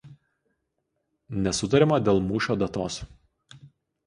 Nesutariama dėl mūšio datos.